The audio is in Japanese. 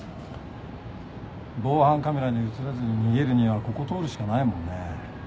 防犯カメラに写らずに逃げるにはここ通るしかないもんね。